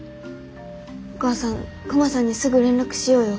お母さんクマさんにすぐ連絡しようよ。